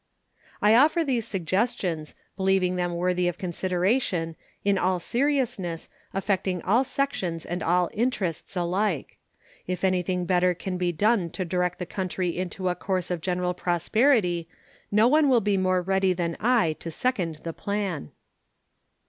I offer these suggestions, believing them worthy of consideration, in all seriousness, affecting all sections and all interests alike. If anything better can be done to direct the country into a course of general prosperity, no one will be more ready than I to second the plan.